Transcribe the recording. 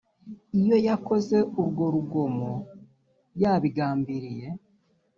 iyo yakoze urwo rugomo yabigambiriye